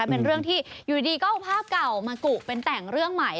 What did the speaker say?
เป็นเรื่องที่อยู่ดีก็เอาภาพเก่ามากุเป็นแต่งเรื่องใหม่